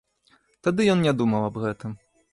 Тады ён не думаў аб гэтым.